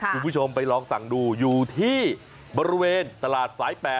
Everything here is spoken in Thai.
คุณผู้ชมไปลองสั่งดูอยู่ที่บริเวณตลาดสาย๘